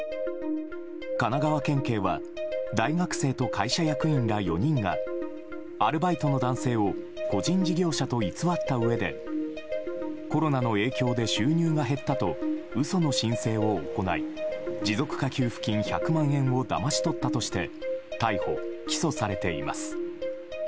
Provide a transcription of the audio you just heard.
神奈川県警は大学生と会社役員ら４人がアルバイトの男性を個人事業者と偽ったうえでコロナの影響で収入が減ったと嘘の申請を行い持続化給付金１００万円をだまし取ったとして逮捕・起訴されています。